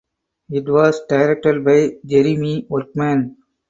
It was directed by Jeremy Workman.